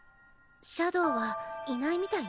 シャドウはいないみたいね。